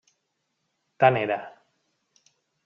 Tant era.